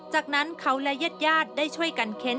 จากนั้นเขาและญาติญาติได้ช่วยกันเค้น